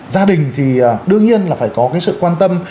gia đình thì đương nhiên là phải có cái sự quan tâm